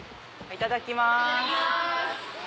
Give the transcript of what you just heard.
いただきます！